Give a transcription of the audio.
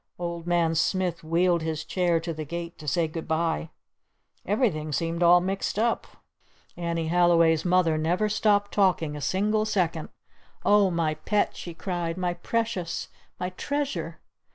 Old Man Smith wheeled his chair to the gate to say "Good bye." Everything seemed all mixed up. Annie Halliway's Mother never stopped talking a single second. "Oh, my Pet!" she cried. "My Precious. My Treasure!"